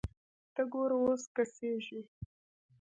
ته ګوره اوس کسږي